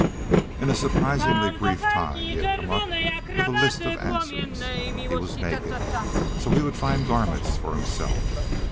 In a surprisingly brief time he had come up with a list of answers. He was naked, so he would find garments for himself.